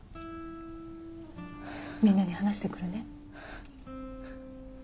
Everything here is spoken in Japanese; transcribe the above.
みんなに話してくるね。